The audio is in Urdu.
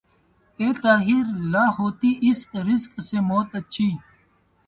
اے طائر لاہوتی اس رزق سے موت اچھی